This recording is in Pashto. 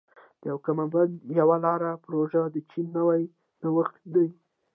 د یو کمربند یوه لار پروژه د چین نوی نوښت دی.